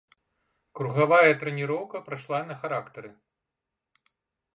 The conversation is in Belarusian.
Кругавая трэніроўка прайшла на характары.